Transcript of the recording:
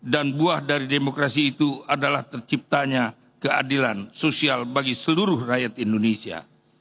dan buah dari demokrasi itu adalah terciptanya keadilan sosial bagi seluruh rakyat indonesia